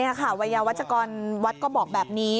นี่ค่ะวัยวัชกรวัดก็บอกแบบนี้